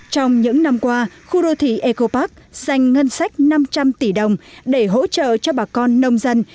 trong những năm qua khu đô thị eco park dành ngân sách năm trăm linh tỷ đồng để hỗ trợ cho bà con nông dân